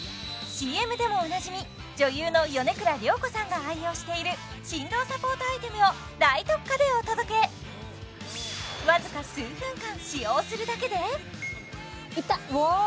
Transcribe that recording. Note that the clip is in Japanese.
ＣＭでもおなじみ女優の米倉涼子さんが愛用している振動サポートアイテムを大特価でお届けわずか数分間使用するだけでいった！